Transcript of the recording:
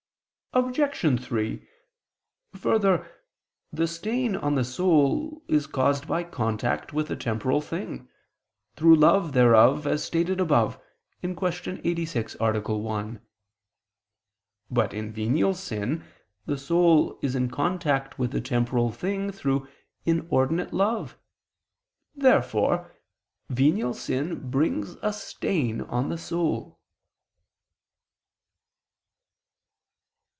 Obj. 3: Further, the stain on the soul is caused by contact with a temporal thing, through love thereof as stated above (Q. 86, A. 1). But, in venial sin, the soul is in contact with a temporal thing through inordinate love. therefore, venial sin brings a stain on the soul.